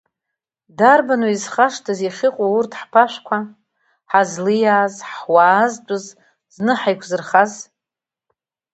Дарбан изхашҭыз иахьыҟоу урҭ ҳԥашәқәа, ҳазлиааз, ҳуаазтәыз, зны ҳаиқәзырхаз?